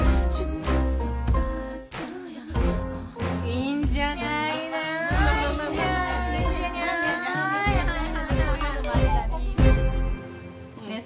いいんじゃない？ねえ。